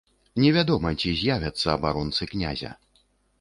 Невядома, ці з'явяцца абаронцы князя.